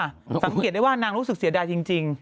สังเกตได้ว่านางรู้สึกเสียดายจริง